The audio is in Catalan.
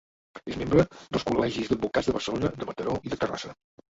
És membre dels Col·legis d'Advocats de Barcelona, de Mataró i de Terrassa.